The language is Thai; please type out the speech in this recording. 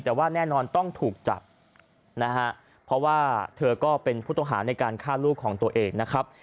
แต่ว่าแน่นอนต้องถูกจับนะฮะเพราะว่าเธอก็เป็นผู้ต้องหาในการฆ่าลูกของตัวเองนะครับ